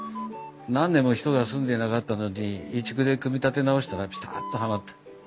何年も人が住んでいなかったのに移築で組み立て直したらピタッとはまった。